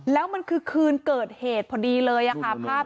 แล้วมันคือคืนเกิดเหตุพอดีเลยค่ะภาพ